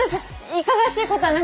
いかがわしいことは何も。